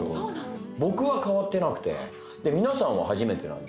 僕は変わってなくて皆さんは初めてなんで。